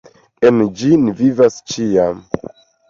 En ĝi ni vivas ĉiame.